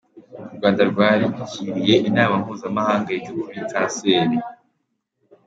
U Rwanda rwakiriye inama mpuzamahanga yiga kuri kanseri.